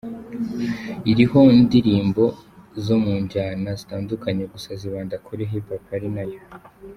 iriho indirimbo zo mu njyana zitandukanye gusa azibanda kuri hip hop ari nayo.